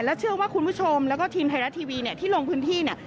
และเชื่อว่าคุณผู้ชมและก็ทีมไทยรัฐทีวีที่ลงพื้นที่